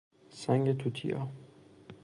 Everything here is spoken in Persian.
سنگ توتیا